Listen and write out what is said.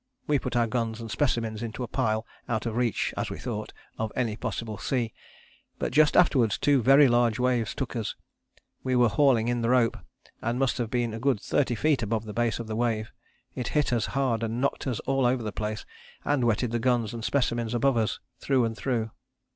We put our guns and specimens into a pile, out of reach, as we thought, of any possible sea. But just afterwards two very large waves took us we were hauling in the rope, and must have been a good thirty feet above the base of the wave. It hit us hard and knocked us all over the place, and wetted the guns and specimens above us through and through.